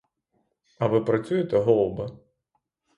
А ви працюєте, голубе?